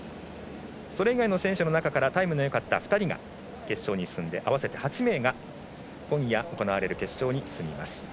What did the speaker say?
それ以外の選手の中からタイムのよかった２人が決勝に進んで、合わせて８名が今夜行われる決勝に進みます。